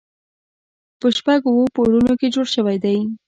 په شپږو اوو پوړونو کې جوړ شوی دی.